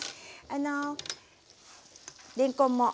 あのれんこんも。